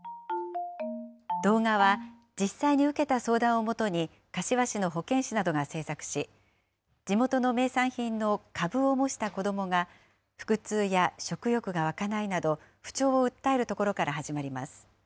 動画は、実際に受けた相談をもとに、柏市の保健師などが制作し、地元の名産品のかぶを模した子どもが、腹痛や食欲が湧かないなど、不調を訴えるところから始まります。